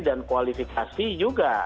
dan kualifikasi juga